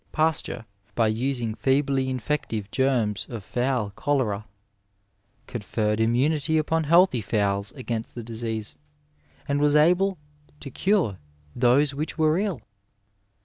Pasteur, by using feebly infective germs of fowl cholera, conferred immunity upon healthy fowls against the disease, and was able to cure those which were ill.